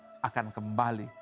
karena manusia akan kembali